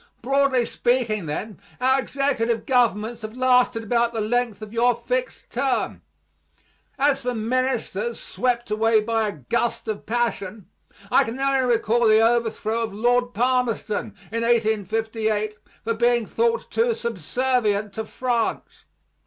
Broadly speaking, then, our executive governments have lasted about the length of your fixed term. As for ministers swept away by a gust of passion, I can only recall the overthrow of Lord Palmerston in 1858 for being thought too subservient to France.